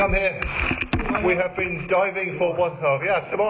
นี่คือทางที่สุดของเรา